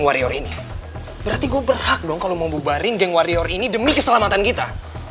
warrior ini berarti gue berhak dong kalau mau bubarin geng warrior ini demi keselamatan kita